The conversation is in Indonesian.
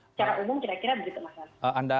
secara umum kira kira